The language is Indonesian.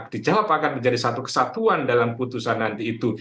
dijawab akan menjadi satu kesatuan dalam putusan nanti itu